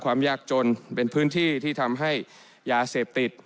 ความยากจนเป็นพื้นที่ที่ทำให้ยาเสพติด